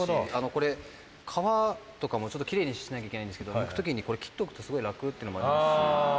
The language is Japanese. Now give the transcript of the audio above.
これ皮とかも奇麗にしなきゃいけないんですけどむく時に切っとくとすごい楽っていうのもありますし。